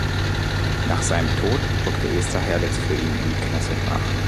Nach seinem Tod rückte Esther Herlitz für ihn in die Knesset nach.